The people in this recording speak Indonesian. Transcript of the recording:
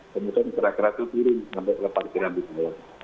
kemudian kerah kerah itu piring sampai lepas kira kira di jalanan